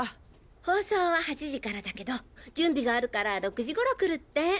放送は８時からだけど準備があるから６時頃来るって。